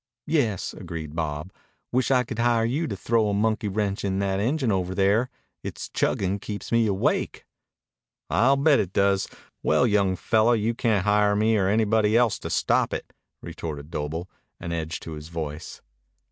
"Yes," agreed Bob. "Wish I could hire you to throw a monkey wrench in that engine over there. Its chuggin' keeps me awake." "I'll bet it does. Well, young fellow, you can't hire me or anybody else to stop it," retorted Doble, an edge to his voice.